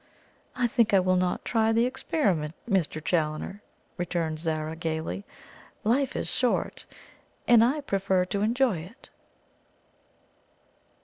"I think I will not try the experiment, Mr. Challoner," returned Zara gaily. "Life is short, and I prefer to enjoy it."